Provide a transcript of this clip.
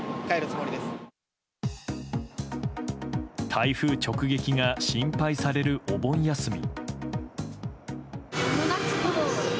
台風直撃が心配されるお盆休み。